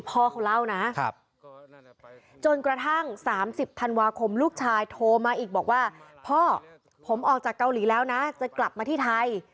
ผมออกจากเกาหลีแล้วนะจะกลับมาที่ไทย